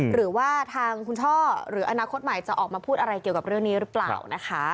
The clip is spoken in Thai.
หรือว่าทางคุณช่อหรืออนาคตใหม่จะออกมาพูดอะไรเกี่ยวกับเรื่องนี้หรือเปล่านะคะ